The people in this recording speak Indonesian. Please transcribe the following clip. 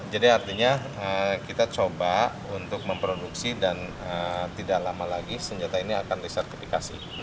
jadi artinya kita coba untuk memproduksi dan tidak lama lagi senjata ini akan disertifikasi